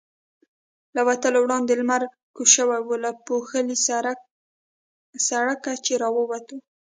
له وتلو وړاندې لمر کوز شوی و، له پوښلي سړکه چې را ووتو.